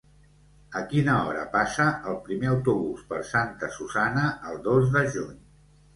A quina hora passa el primer autobús per Santa Susanna el dos de juny?